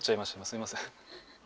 すいません。